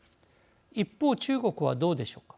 一方、中国はどうでしょうか。